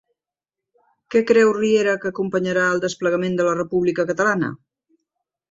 Què creu Riera que acompanyarà al desplegament de la República Catalana?